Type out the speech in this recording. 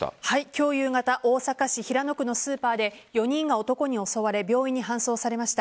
今日夕方大阪市平野区のスーパーで４人が男に襲われ病院に搬送されました。